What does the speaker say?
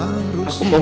aku mau foto sekarang